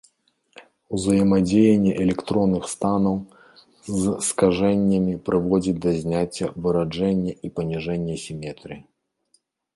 Ўзаемадзеянне электронных станаў з скажэннямі прыводзіць да зняцця выраджэння і паніжэння сіметрыі.